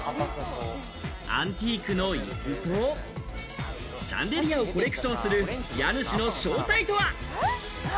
アンティークの椅子とシャンデリアをコレクションする家主の正体とは？